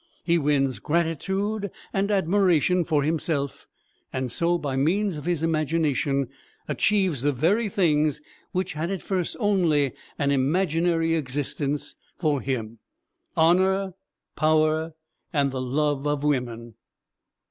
He wins gratitude and admiration for himself and so, by means of his imagination, achieves the very things which had at first only an imaginary existence for him: honor, power, and the love of women.